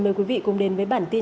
mời quý vị cùng đến với bản tin